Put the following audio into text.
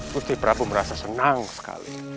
gusti prabu merasa senang sekali